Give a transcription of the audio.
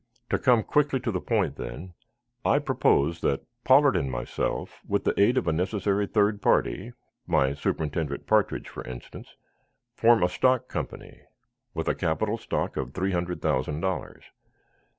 To come quickly to the point, then, I propose that Pollard and myself, with the aid of a necessary third party my superintendent, Partridge, for instance form a stock company with a capital stock of three hundred thousand dollars.